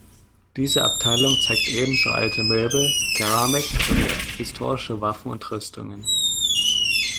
Diese Abteilung zeigt ebenso alte Möbel, Keramiken sowie historische Waffen und Rüstungen.